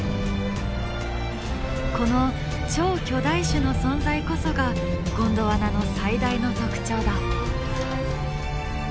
この超巨大種の存在こそがゴンドワナの最大の特徴だ。